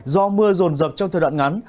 do mưa rồn rập trong thời đoạn ngắn